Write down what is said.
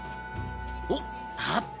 おっあった！